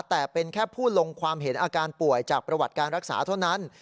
แต่เป็นแค่ผู้ลงความเห็นอาการป่วยจากประวัติการรักษาเท่านั้น